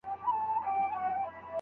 ته چې راغلې سپين مې سوله تور باڼه